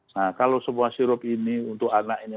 nah kalau semua sirup ini untuk anak ini